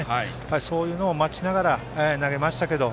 そういうのを待ちながら投げましたけども。